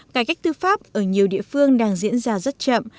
cải cách tư pháp ở nhiều địa phương đang diễn ra rất chậm